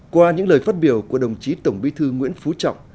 qua những lời phát biểu của đồng chí tổng bí thư nguyễn phú trọng